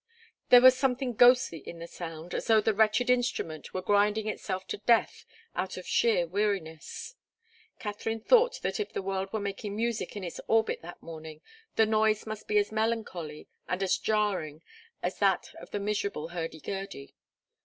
There was something ghostly in the sound, as though the wretched instrument were grinding itself to death out of sheer weariness. Katharine thought that if the world were making music in its orbit that morning, the noise must be as melancholy and as jarring as that of the miserable hurdy gurdy.